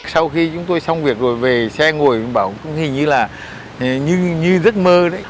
sau khi chúng tôi xong việc rồi về xe ngồi mình bảo cũng hình như là như giấc mơ đấy